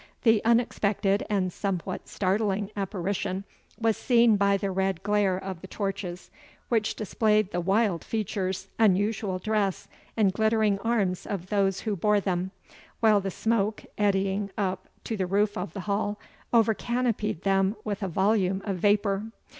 The unexpected and somewhat startling apparition was seen by the red glare of the torches, which displayed the wild features, unusual dress, and glittering arms of those who bore them, while the smoke, eddying up to the roof of the hall, over canopied them with a volume of vapour.